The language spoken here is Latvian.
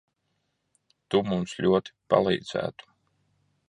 Tu mums ļoti palīdzētu.